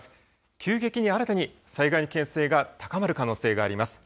急激に新たに災害の危険性が高まるおそれがあります。